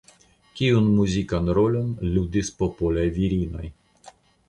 Kiun muzikan rolon ludis popolaj virinoj?